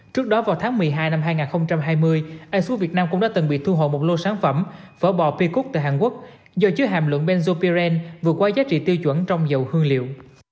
trước đó vào tháng một mươi hai năm hai nghìn hai mươi asicut việt nam cũng đã từng bị thu hồi một lô sản phẩm phở bò peacock tại hàn quốc do chứa hàm luận benzopyrin vượt qua giá trị tiêu chuẩn trong dầu hương liệu